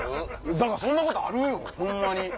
だからそんなことある⁉よホンマに。